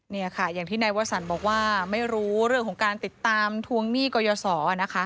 เนี่ยค่ะอย่างที่นายวสันบอกว่าไม่รู้เรื่องของการติดตามทวงหนี้กรยศนะคะ